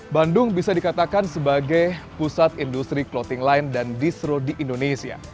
bandung bisa dikatakan sebagai pusat industri clothing line dan distro di indonesia